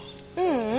ううん。